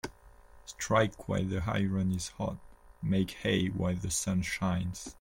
Strike while the iron is hot Make hay while the sun shines.